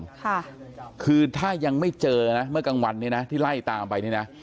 ค่ะคือถ้ายังไม่เจอนะเมื่อกลางวันเนี่ยนะที่ไล่ตามไปนี่นะ